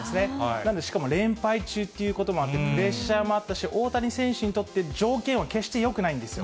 なんで、しかも連敗中ということもあって、プレッシャーもあったし、大谷選手にとって、条件は決してよくないんですよ。